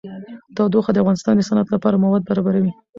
تودوخه د افغانستان د صنعت لپاره مواد برابروي.